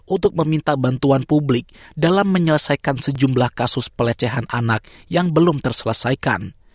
untuk meminta bantuan publik dalam menyelesaikan sejumlah kasus pelecehan anak yang belum terselesaikan